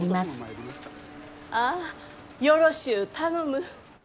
ああよろしゅう頼む。